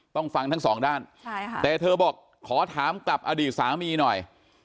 ต้องฟังทั้งสองด้านแต่เธอบอกขอถามกลับอดีตสามีหน่อย